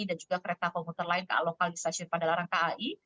dan juga kereta komputer lain ke lokal di stasiun pada larang kai